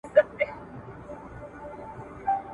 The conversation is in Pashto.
سپک د زهرو پاکولو خاصیت لري او عمومي روغتیا ښه کوي.